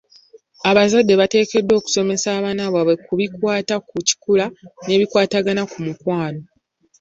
Abazadde bateekeddwa okusomesa abaana baabwe ku bikwata ku kikula, n'ebikwatagana ku mukwano.